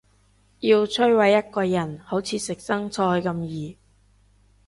要摧毁一個人好似食生菜咁易